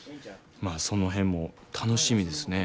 まあその辺も楽しみですね。